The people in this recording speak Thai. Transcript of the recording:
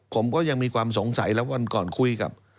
ผมก็ยังมีความสงสัยแล้ววันก่อนคุยกับ